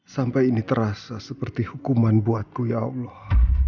sampai ini terasa seperti hukuman buatku ya allah